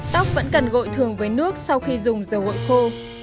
tóc vẫn cần gội thường với nước sau khi dùng dầu gội khô